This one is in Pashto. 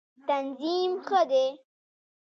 تنظیم ښه دی.